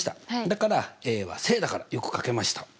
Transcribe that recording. だからは正だからよく書けました。